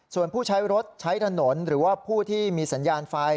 ส่วนผู้ใช้รถใช้ถนนหรือว่าผู้ที่มีสัญญาณไฟ